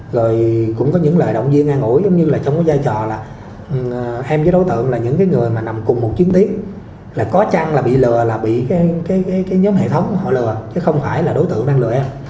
rồi cũng có những lời động viên an ủi giống như là trong cái giai trò là em với đối tượng là những người mà nằm cùng một chiến tiến là có chăng là bị lừa là bị cái nhóm hệ thống họ lừa chứ không phải là đối tượng đang lừa em